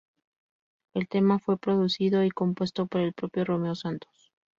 El tema fue producido y compuesto por el propio Romeo Santos.